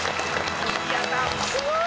すごい。